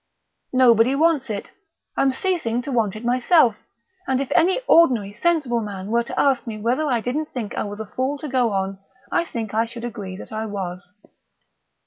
Nobody wants it; I'm ceasing to want it myself; and if any ordinary sensible man were to ask me whether I didn't think I was a fool to go on, I think I should agree that I was."